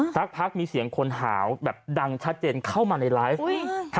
สักพักมีเสียงคนหาวแบบดังชัดเจนเข้ามาในไลฟ์